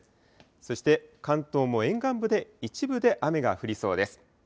そして関東も沿岸部で、一部で雨が降りそうです。